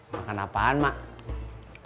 makan apaan mak